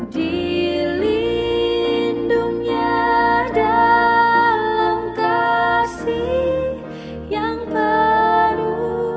dilindungnya dalam kasih yang baru